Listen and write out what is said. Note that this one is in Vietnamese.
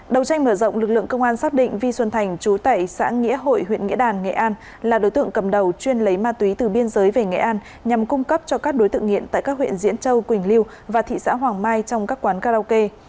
đầu tranh mở rộng lực lượng công an xác định vi xuân thành chú tẩy xã nghĩa hội huyện nghĩa đàn nghệ an là đối tượng cầm đầu chuyên lấy ma túy từ biên giới về nghệ an nhằm cung cấp cho các đối tượng nghiện tại các huyện diễn châu quỳnh liêu và thị xã hoàng mai trong các quán karaoke